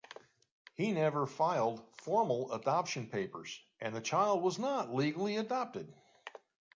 He never filed formal adoption papers and the child was not legally adopted.